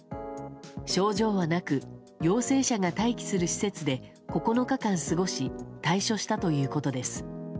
症状はなく陽性者が待機する施設で９日間過ごし退所したということです。